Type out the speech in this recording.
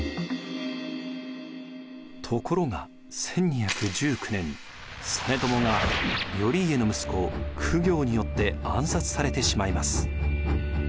ところが１２１９年実朝が頼家の息子公暁によって暗殺されてしまいます。